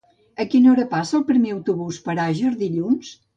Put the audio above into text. A quina hora passa el primer autobús per Àger dilluns?